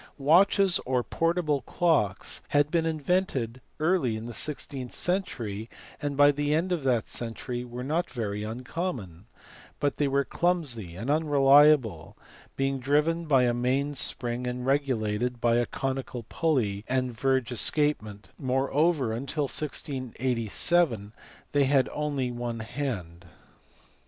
Watches or portable clocks had been invented early in the sixteenth century and by the end of that century were not very uncommon, but they were clumsy and unreliable, being driven by a main spring and regulated by a conical pulley and verge escapement; moreover until 1687 they had only one hand.